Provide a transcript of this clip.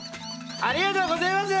ありがとうごぜます！